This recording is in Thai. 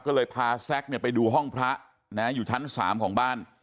ก็เลยพาแซ็กเนี่ยไปดูห้องพระน่ะอยู่ชั้นสามของบ้าน